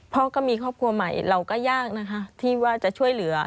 พ่อก็มีครอบครัวใหม่เราก็ยากนะคะที่ว่าจะช่วยเหลือ